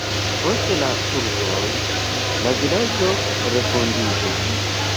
Post la turkoj la vilaĝo refondiĝis.